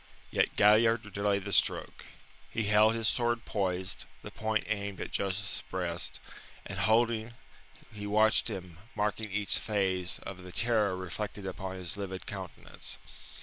Yet Galliard delayed the stroke. He held his sword poised, the point aimed at Joseph's breast, and holding, he watched him, marking each phase of the terror reflected upon his livid countenance.